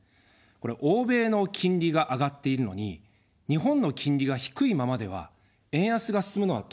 これは欧米の金利が上がっているのに、日本の金利が低いままでは円安が進むのは当然ですよね。